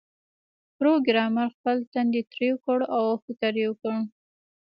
پروګرامر خپل تندی ترېو کړ او فکر یې وکړ